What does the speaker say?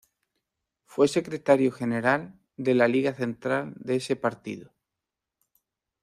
Fue secretario general de la Liga Central de ese partido.